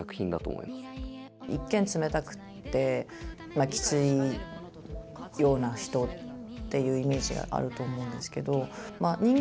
一見冷たくってきついような人っていうイメージがあると思うんですけど人間